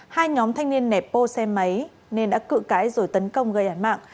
hai nhóm thanh niên nẹp bô xe máy nên đã cự cãi rồi tấn công gây án mạng